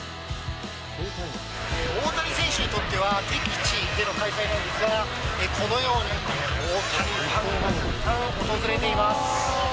大谷選手にとっては、敵地での開催なんですが、このように、たくさんの大谷ファンが訪れています。